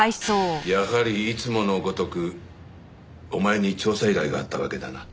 やはりいつものごとくお前に調査依頼があったわけだな？